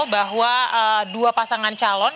bahwa dua pasangan calon